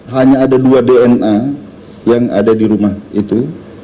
hanya ada dua dna yang ada di rumah itu